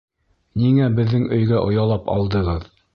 Ниңә беҙҙең өйгә оялап алдығыҙ?